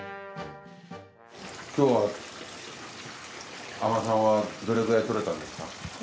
今日は海女さんはどれくらい獲れたんですか？